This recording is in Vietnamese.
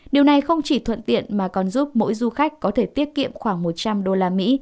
điều này không chỉ thuận tiện mà còn giúp mỗi du khách có thể tiết kiệm khoảng một trăm linh đô la mỹ